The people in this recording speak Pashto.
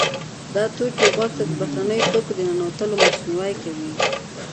دا توکي غوږ ته د بهرنیو توکو د ننوتلو مخنیوی کوي.